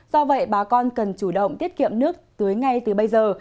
do vậy bà con cần chủ động tiết kiệm nước tưới ngay từ bây giờ